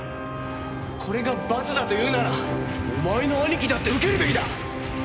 これが罰だというならお前の兄貴だって受けるべきだ！